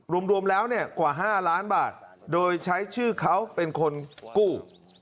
รวมแล้วกว่า๕ล้านบาทโดยใช้ชื่อเขาเป็นคนกู้